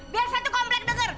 biar satu komplek deger